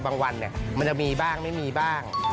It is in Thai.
วันมันจะมีบ้างไม่มีบ้าง